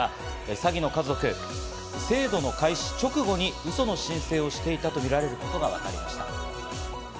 最近の家族、制度の開始直後にウソの申請をしていたとみられることがわかりました。